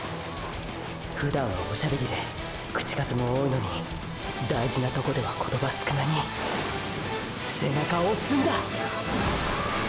ふだんはおしゃべりで口数も多いのに大事なとこでは言葉少なに背中押すんだ！！